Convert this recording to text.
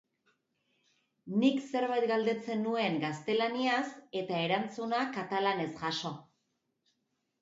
Nik zerbait galdetzen nuen gaztelaniaz eta erantzuna katalanez jaso.